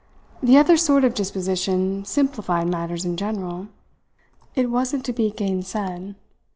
The other sort of disposition simplified matters in general; it wasn't to be gainsaid.